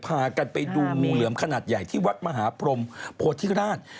พากันไปดูงูเหลือมขนาดใหญ่ที่วัดมหาพรมโพธิราช